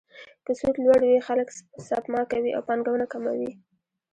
که سود لوړ وي، خلک سپما کوي او پانګونه کمه وي.